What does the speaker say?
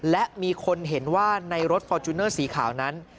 และมีคนเห็นว่าในรถฟอร์จูเนอร์สีขาวนั้น